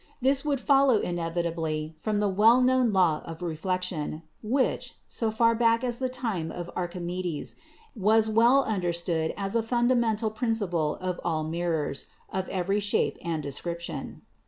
This would follow inevitably from the well known Law of Reflection, which, so far back as the time of Archime des, was well understood as a fundamental principle of all mirrors of every shape and description.